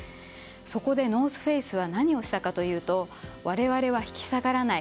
そこで、ノース・フェイスは何をしたかというと我々は引き下がらない。